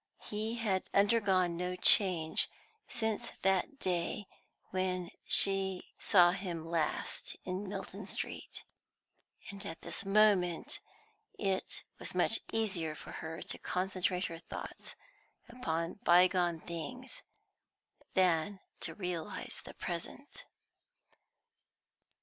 He had undergone no change since that day when she saw him last in Milton Street, and at this moment it was much easier for her to concentrate her thoughts upon bygone things than to realise the present.